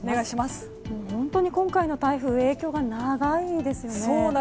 本当に今回の台風影響が長いですよね。